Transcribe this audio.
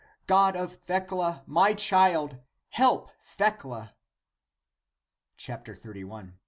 God of Thecla, my child, help Thecla."